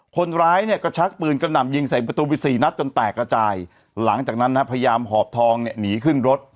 คนร้ายก็ชักปืนกระหน่ำยิงใส่ประตูวิศีนัดจนแตกละจ่ายหลังจากนั้นพยายามหอบทองหนีขึ้นรถ